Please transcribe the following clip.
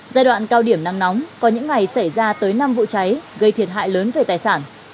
giai đoạn cao điểm nắng nóng có những ngày xảy ra tới năm vụ cháy gây thiệt hại lớn về tài sản